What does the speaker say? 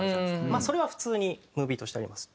まあそれは普通にムービーとしてあります。